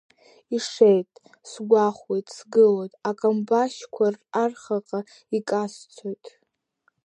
Ишеит, сгәахәуеит, сгылоит, акамбашьқәа архаҟа икасцоит.